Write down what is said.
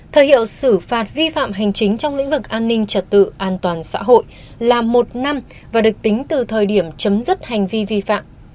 thời hiệu xử phạt vi phạm hành chính trong lĩnh vực an ninh trật tự an toàn xã hội là một năm và được tính từ thời điểm chấm dứt hành vi vi phạm